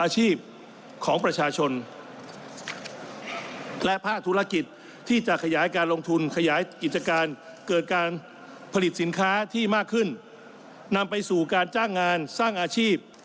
สินค้าที่มากขึ้นนำไปสู่การจ้างงานสร้างอาชีพ